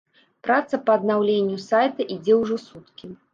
Праца па аднаўленню сайта ідзе ўжо суткі.